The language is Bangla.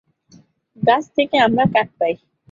গাছ থেকে আমরা কাঠ পাই।